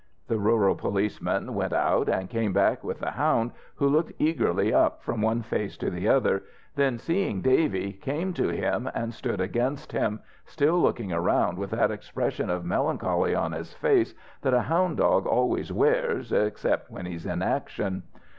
The rural policeman went out, and came back with the hound, who looked eagerly up from one face to the other, then, seeing Davy, came to him and stood against him, still looking around with that expression of melancholy on his face that a hound dog always wears except when he's in action.